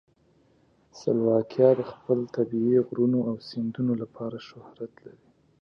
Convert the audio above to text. سلواکیا د خپل طبیعي غرونو او سیندونو لپاره شهرت لري.